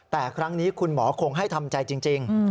แต่ครั้งนี้คุณหมอคงให้ทำใจจริง